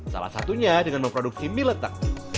salah satunya dengan memproduksi mie letak